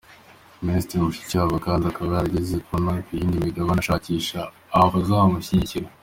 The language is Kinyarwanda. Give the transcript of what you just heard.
Minisitiri Mushikiwabo kandi akaba yarageze no ku yindi migabane ashakisha abazamushyigikira.